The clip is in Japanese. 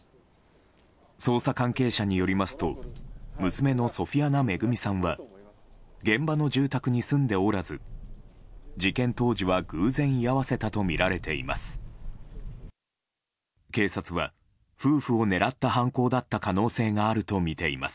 捜査関係者によりますと娘のソフィアナ恵さんは現場の住宅に住んでおらず事件当時は偶然居合わせたとみられています。